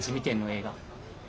映画。